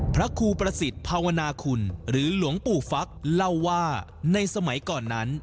พระครูประสิทธิ์ภาวนาคุณหรือหลวงปู่ฟักเล่าว่าในสมัยก่อนนั้น